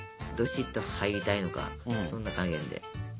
どしっと入りたいのかそんな加減で。